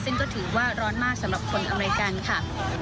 ซึ่งก็ถือว่าร้อนมากสำหรับคนอเมริกันค่ะ